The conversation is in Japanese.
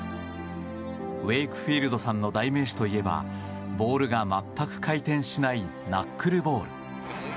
ウェイクフィールドさんの代名詞といえばボールが全く回転しないナックルボール。